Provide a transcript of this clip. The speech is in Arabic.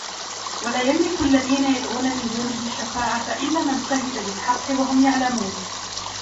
وَلَا يَمْلِكُ الَّذِينَ يَدْعُونَ مِنْ دُونِهِ الشَّفَاعَةَ إِلَّا مَنْ شَهِدَ بِالْحَقِّ وَهُمْ يَعْلَمُونَ